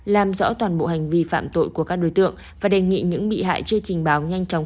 làm rõ toàn bộ hành vi phạm tội của các đối tượng và đề nghị những bị hại chưa trình báo nhanh chóng